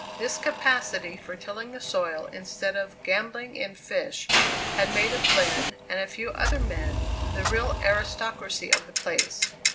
This capacity for tilling the soil instead of gambling in fish had made of Glenn, and a few other men, the real aristocracy of the place.